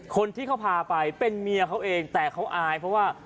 คนที่เขาพาไปเป็นเมียเขาเองแต่เขาอายเพราะว่า